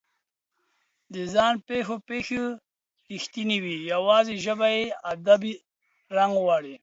د ځان پېښو پېښې رښتونې وي، یواځې ژبه یې ادبي رنګ لري.